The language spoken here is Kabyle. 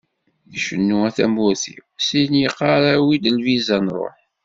Icennu "A tamurt-iw", syin yeqqar "Awi-d lviza ad nruḥ"!